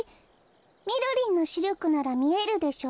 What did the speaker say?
みろりんのしりょくならみえるでしょう？